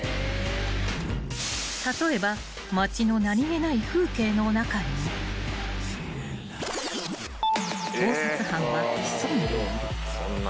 ［例えば街の何気ない風景の中にも盗撮犯は潜んでいる］